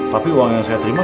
tapi uang yang saya terima